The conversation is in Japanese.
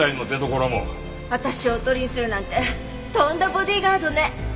私をおとりにするなんてとんだボディーガードね。